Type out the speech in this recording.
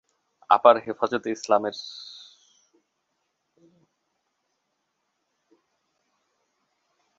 আবার হেফাজতে ইসলামের সভা সমাবেশে যোগ দেওয়া কোমলমতি শিশু কিশোরদের অধিকাংশই মাদ্রাসাশিক্ষার্থী।